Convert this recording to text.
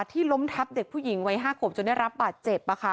ที่ล้มทัพเด็กผู้หญิงวัยห้าโกมจนได้รับบาดเจ็บค่ะ